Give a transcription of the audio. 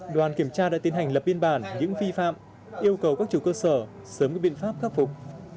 đoàn kiểm tra đã tiến hành lập biên bản những vi phạm yêu cầu các chủ cơ sở sớm có biện pháp khắc phục